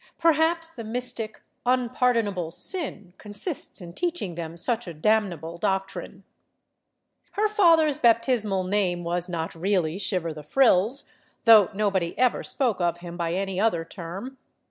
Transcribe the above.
Perhaps the mystic "Unpardonable Sin" consists in teaching them such a damnable doctrine Her father's baptismal name was not really Shiver "THE MOST GORGEOUS LADY BLESSINGTON" 205 the Frills, though nobody ever spoke of him by any other term.